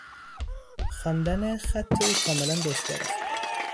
خواندن خط او کاملا دشوار است.